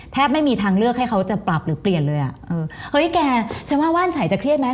ไม่มีทางเลือกให้เขาจะปรับหรือเปลี่ยนเลยอ่ะเออเฮ้ยแกฉันว่าว่านชัยจะเครียดไหม